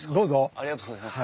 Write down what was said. ありがとうございます。